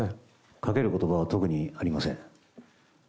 かけることばは特にありません。